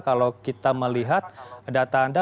kalau kita melihat data anda